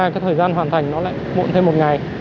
cái thời gian hoàn thành nó lại muộn thêm một ngày